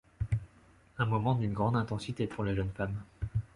Un moment d'une grande intensité pour la jeune femme.